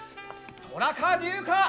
虎か龍か！？